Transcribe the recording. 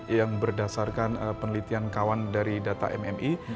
yang berdasarkan penelitian kawan dari data mmi